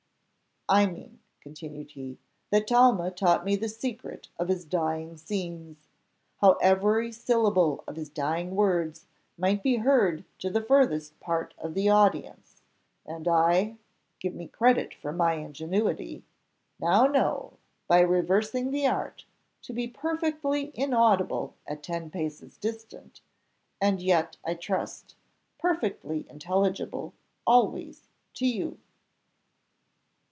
"I mean," continued he, "that Talma taught me the secret of his dying scenes how every syllable of his dying words might be heard to the furthest part of the audience; and I give me credit for my ingenuity know how, by reversing the art, to be perfectly inaudible at ten paces' distance, and yet, I trust, perfectly intelligible, always, to you."